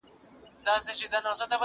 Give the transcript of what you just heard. نه خاطر گوري د وروڼو نه خپلوانو؛